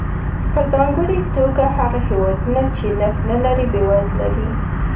په ځانګړې توګه هغه هېوادونه چې نفت نه لري بېوزله دي.